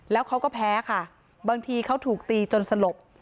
แล้วเขาก็แพ้ค่ะบางทีเขาถูกตีจนสลบ